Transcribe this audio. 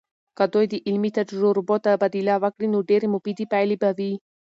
که دوی د علمي تجربو تبادله وکړي، نو ډیرې مفیدې پایلې به وي.